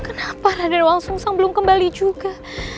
kenapa raden wangsung sang belum kembali juga